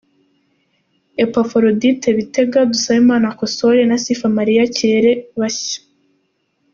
Epaforodite Bitega, Dusabimana kosole, na Sifa Mariya kirere bashya.